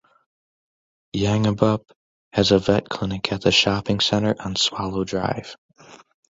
Yangebup has a vet clinic at the shopping centre on Swallow Drive.